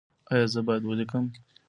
ایا زه باید ولیکم؟